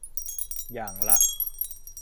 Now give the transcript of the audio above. อย่างละ